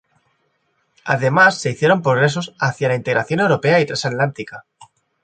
Además se hicieron progresos hacia la integración europea y transatlántica.